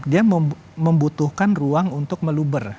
dia membutuhkan ruang untuk meluber